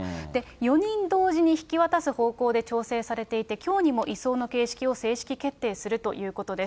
４人同時に引き渡す方向で調整されていて、きょうにも移送の形式を正式決定するということです。